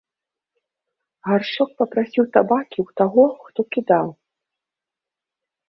Гаршчок папрасіў табакі ў таго, хто кідаў.